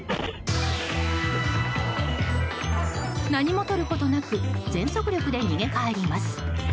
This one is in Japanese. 何もとることなく全速力で逃げ帰ります。